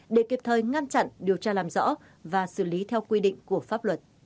để kịp thời ngăn chặn điều tra làm rõ và xử lý theo quy định của pháp luật